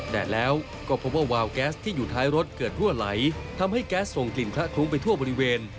แดดแล้วก็พบว่าวาวแก๊สที่อยู่ท้ายรถเกิดรั่วไหลทำให้แก๊สส่งกลิ่นคละคลุ้งไปทั่วบริเวณ